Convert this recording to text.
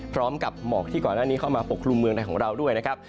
หมอกที่ก่อนหน้านี้เข้ามาปกครุมเมืองไทยของเราด้วยนะครับ